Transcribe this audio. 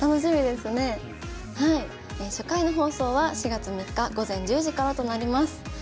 初回の放送は４月３日午前１０時からとなります。